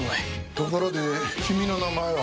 ところで君の名前は？